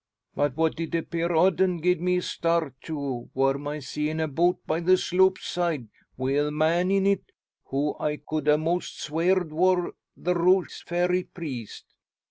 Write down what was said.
But what did appear odd, an' gied me a start too, wor my seein' a boat by the sloop's side wi' a man in it, who I could a'most sweared wor the Rogue's Ferry priest.